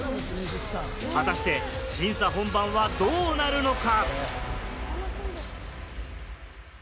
果たして審査本番はどうなるのか？